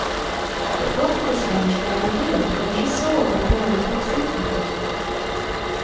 But what did the strange fairy do when she saw all her lollipops eaten?